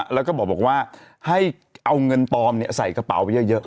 แล้วก็บอกว่าให้เอาเงินปลอมใส่กระเป๋าไปเยอะ